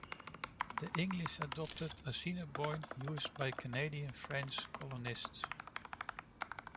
The English adopted "Assiniboine," used by the Canadian French colonists.